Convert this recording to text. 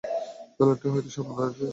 বেলুনটি হয়তো সামান্য সরে যাবে।